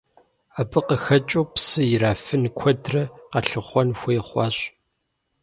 Абы къыхэкӏыу псы ирафын куэдрэ къалъыхъуэн хуей хъуащ.